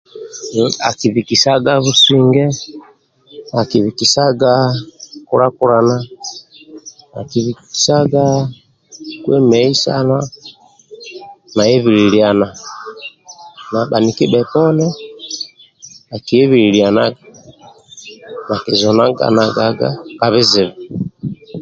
Akibikisaga businge akibikisaga nkulakulana akibikisaga kwemeisana na hibililiana na bhaniki bheponi akihibililianaga bhakizunaganagaga ka bizibu.